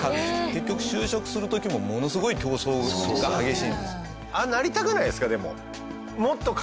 結局就職する時もものすごい競争が激しいんです。ってやっぱ思うんですよね。